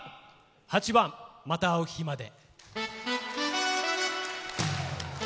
８番「また逢う日まで」。